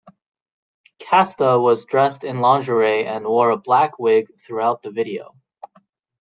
Casta was dressed in lingerie and wore a black wig throughout the video.